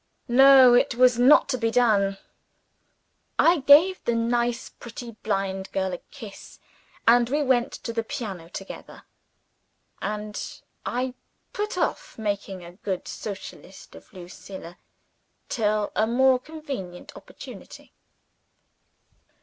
No it was not to be done. I gave the nice pretty blind girl a kiss. And we went to the piano together. And I put off making a good Socialist of Lucilla till a more convenient opportunity.